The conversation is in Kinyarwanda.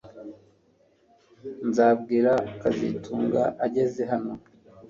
Nzabwira kazitunga ageze hano